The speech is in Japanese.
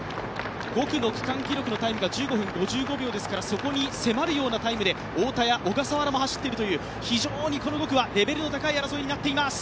５区の区間記録のタイムが１５分５５秒ですからそこに迫るようなタイムで太田や小笠原も走っているという非常にこの５区はレベルの高い争いになっています。